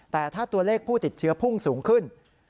แต่ถ้าตัวเลขผู้ติดเชื้อพุ่งสูงขึ้น